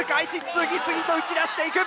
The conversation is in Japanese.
次々と打ち出していく！